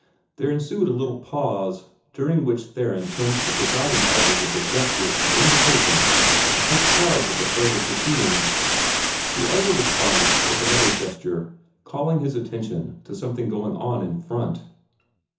There ensued a little pause, during which Theron turned to the Presiding Elder with a gesture of invitation to take charge of the further proceedings. The Elder responded with another gesture, calling his attention to something going on in front.